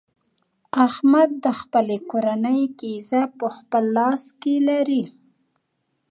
احمد د خپلې کورنۍ قېزه په خپل لاس کې لري.